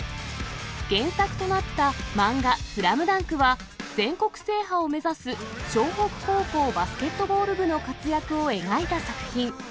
原作となった漫画、スラムダンクは全国制覇を目指す、湘北高校バスケットボール部の活躍を描いた作品。